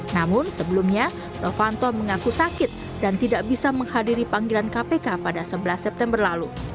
namun sebelumnya novanto mengaku sakit dan tidak bisa menghadiri panggilan kpk pada sebelas september lalu